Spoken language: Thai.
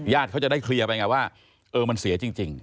เขาจะได้เคลียร์ไปไงว่าเออมันเสียจริง